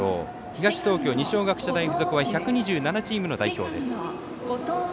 東東京、二松学舎大付属は１２７チームの代表です。